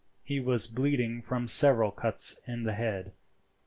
He was bleeding from several cuts in the head.